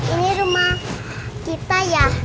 ini rumah kita ya